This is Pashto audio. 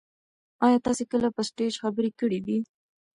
ایا تاسي کله په سټیج خبرې کړي دي؟